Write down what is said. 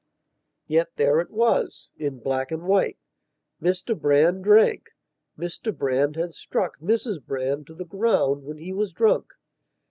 Yet there it wasin black and white. Mr Brand drank; Mr Brand had struck Mrs Brand to the ground when he was drunk.